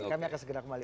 kami akan segera kembali